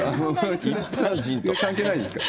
関係ないですか。